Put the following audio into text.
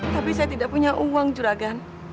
tapi saya tidak punya uang juragan